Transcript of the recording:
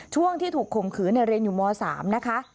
ช่วงที่ถูกข่มขืนเรียนอยู่ม๓นะคะ